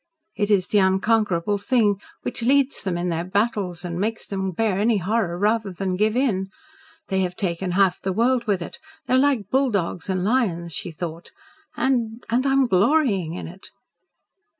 "It is the unconquerable thing, which leads them in their battles and makes them bear any horror rather than give in. They have taken half the world with it; they are like bulldogs and lions," she thought. "And and I am glorying in it."